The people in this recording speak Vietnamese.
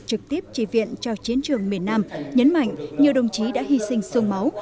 trực tiếp tri viện cho chiến trường miền nam nhấn mạnh nhiều đồng chí đã hy sinh sương máu